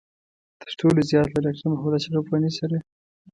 تر ټولو زيات له ډاکټر محمد اشرف غني سره.